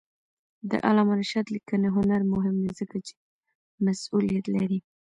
د علامه رشاد لیکنی هنر مهم دی ځکه چې مسئولیت لري.